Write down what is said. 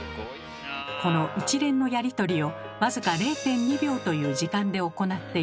この一連のやり取りを僅か０．２秒という時間で行っています。